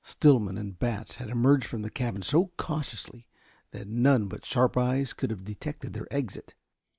Stillman and Batts had emerged from the cabin so cautiously that none but sharp eyes could have detected their exit.